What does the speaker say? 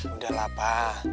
udah lah pa